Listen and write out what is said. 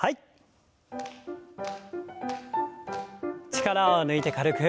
力を抜いて軽く。